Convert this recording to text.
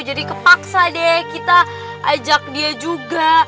jadi kepaksa deh kita ajak dia juga